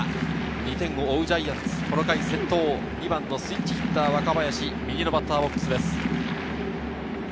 ２点を追うジャイアンツ、この回先頭２番のスイッチヒッター・若林、右のバッターボックスです。